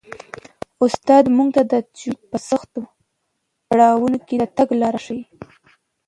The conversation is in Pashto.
استاد موږ ته د ژوند په سختو پړاوونو کي د تګ لاره ښيي.